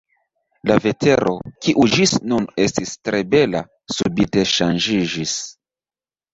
La vetero, kiu ĝis nun estis tre bela, subite ŝanĝiĝis.